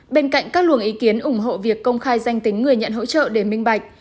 bên cạnh các luồng ý kiến ủng hộ việc công khai danh tính người nhận hỗ trợ để minh bạch